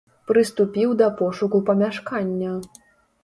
Прыступіў да пошуку памяшкання.